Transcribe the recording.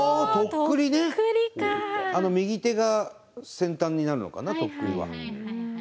あの右手が先端になるのかなとっくりは。